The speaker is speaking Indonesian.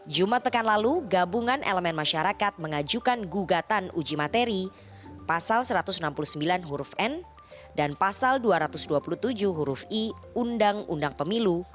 jumat pekan lalu gabungan elemen masyarakat mengajukan gugatan uji materi pasal satu ratus enam puluh sembilan huruf n dan pasal dua ratus dua puluh tujuh huruf i undang undang pemilu